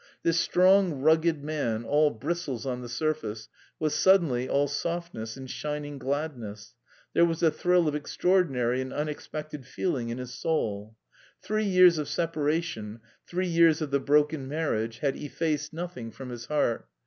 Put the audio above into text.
This strong, rugged man, all bristles on the surface, was suddenly all softness and shining gladness. There was a thrill of extraordinary and unexpected feeling in his soul. Three years of separation, three years of the broken marriage had effaced nothing from his heart.